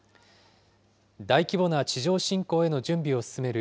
大規模な地上侵攻への準備を進める